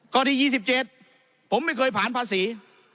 ก่อนที่ยี่สิบเจ็ดผมไม่เคยผ่านภาษี